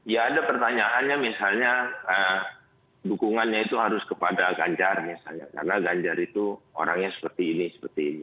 ya ada pertanyaannya misalnya dukungannya itu harus kepada ganjar misalnya karena ganjar itu orangnya seperti ini seperti ini